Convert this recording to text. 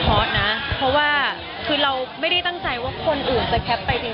เพราะว่าคือเราไม่ได้ตั้งใจว่าคนอื่นที่แก๊ปไปจริง